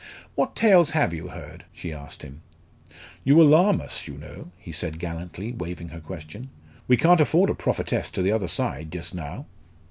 "What tales have you heard?" she asked him. "You alarm us, you know," he said gallantly, waiving her question. "We can't afford a prophetess to the other side, just now."